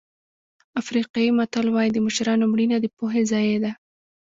افریقایي متل وایي د مشرانو مړینه د پوهې ضایع ده.